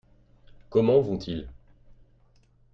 Comment vont-ils ?